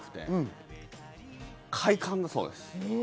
快感だそうです。